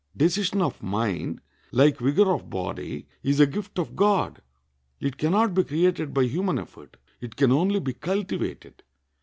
Decision of mind, like vigor of body, is a gift of God. It can not be created by human effort; it can only be cultivated.